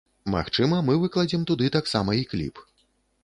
Магчыма мы выкладзем туды таксама і кліп.